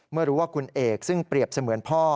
เมื่อรู้ว่าคุณเอกซึ่งเปรียบเสมือนพ่อ